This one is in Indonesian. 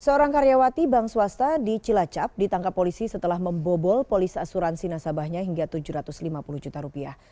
seorang karyawati bank swasta di cilacap ditangkap polisi setelah membobol polis asuransi nasabahnya hingga tujuh ratus lima puluh juta rupiah